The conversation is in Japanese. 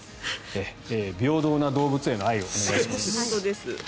平等な動物への愛をお願いします。